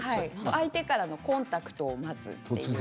相手からのコンタクトを待つ。